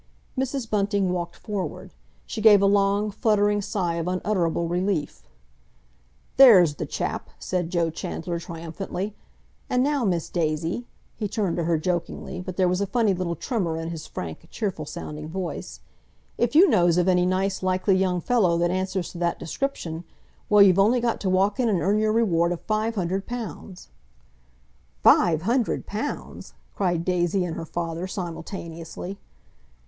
Mrs. Bunting walked forward. She gave a long, fluttering sigh of unutterable relief. "There's the chap!" said Joe Chandler triumphantly. "And now, Miss Daisy"—he turned to her jokingly, but there was a funny little tremor in his frank, cheerful sounding voice—"if you knows of any nice, likely young fellow that answers to that description—well, you've only got to walk in and earn your reward of five hundred pounds." "Five hundred pounds!" cried Daisy and her father simultaneously.